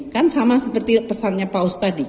kan sama seperti pesannya paus tadi